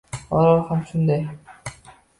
Orol ham shunday.